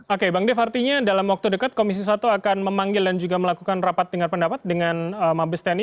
oke bang dev artinya dalam waktu dekat komisi satu akan memanggil dan juga melakukan rapat dengar pendapat dengan mabes tni